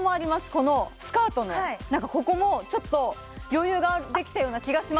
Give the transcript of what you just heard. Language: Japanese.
このスカートのなんかここもちょっと余裕ができたような気がします